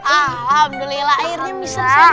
alhamdulillah akhirnya bisa